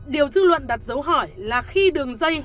điều dư luận đặt dấu hỏi là khi đường dây